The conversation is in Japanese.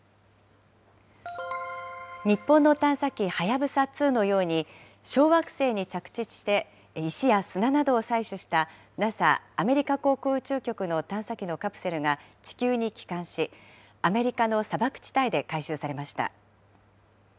日本の探査機はやぶさ２のように、小惑星に着地して石や砂などを採取した、ＮＡＳＡ・アメリカ航空宇宙局の探査機のカプセルが地球に帰還し、アメリカの砂漠地帯で回収されました。